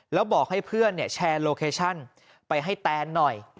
แล้วบอกให้เพื่อนแชร์โลเคชั่นไปให้แตนหน่อย